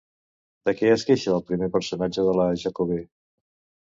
De què es queixa el primer personatge de la Jacobè?